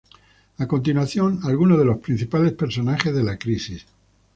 A continuación, algunos de los principales personajes de la crisis.